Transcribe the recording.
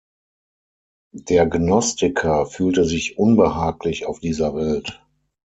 Der Gnostiker fühlte sich unbehaglich auf dieser Welt.